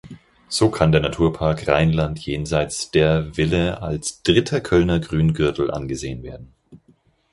So kann der Naturpark Rheinland jenseits der Ville als "Dritter Kölner Grüngürtel" angesehen werden.